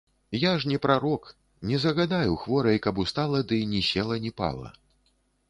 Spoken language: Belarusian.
Я ж не прарок, не загадаю хворай, каб устала ды ні села, ні пала.